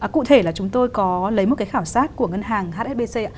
cụ thể là chúng tôi có lấy một cái khảo sát của ngân hàng hsbc ạ